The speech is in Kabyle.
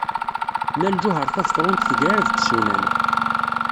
Nna Lǧuheṛ Tabetṛunt tegrareb deg yisunan.